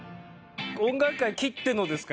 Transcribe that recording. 音楽界きってのですか？